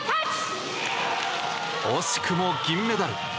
惜しくも銀メダル。